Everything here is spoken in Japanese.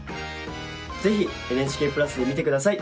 是非「ＮＨＫプラス」で見て下さい！